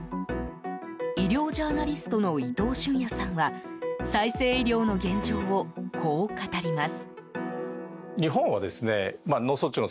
医療ジャーナリストの伊藤隼也さんは再生医療の現状をこう語ります。